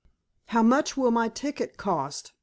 "How much will my ticket cost?"